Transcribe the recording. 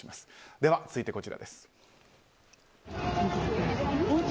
では、続いてこちらです。